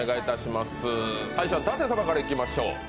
最初は舘様からいきましょう。